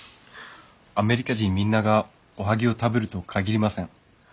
アメリカ人みんながおはぎを食べるとは限りません。